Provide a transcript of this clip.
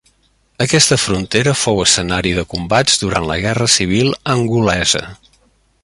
Aquesta frontera fou escenari de combats durant la Guerra Civil angolesa.